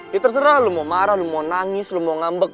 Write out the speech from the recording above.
ya terserah lo mau marah lo mau nangis lo mau ngambek